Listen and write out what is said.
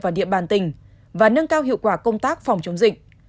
và địa bàn tỉnh và nâng cao hiệu quả công tác phòng chống dịch